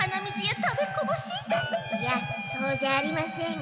いやそうじゃありません。